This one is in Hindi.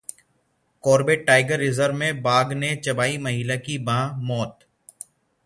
कॉर्बेट टाइगर रिजर्व में बाघ ने चबाई महिला की बांह, मौत